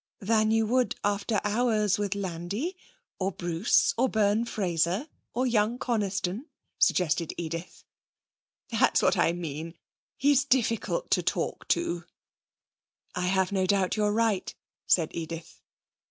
'Than you would after hours with Landi, or Bruce, or Byrne Fraser, or young Coniston,' suggested Edith. 'That's what I mean. He's difficult to talk to.' 'I have no doubt you're right,' said Edith.